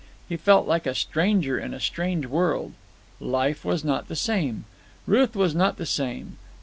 He felt like a stranger in a strange world. Life was not the same. Ruth was not the same.